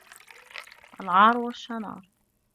الْعَارَ وَالشَّنَارَ